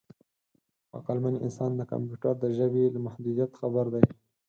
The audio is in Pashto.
عقلمن انسان د کمپیوټر د ژبې له محدودیت خبر دی.